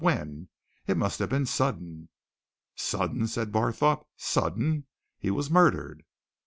When? It must have been sudden." "Sudden!" said Barthorpe. "Sudden? He was murdered!"